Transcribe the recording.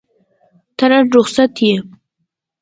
ته نن رخصت یې؟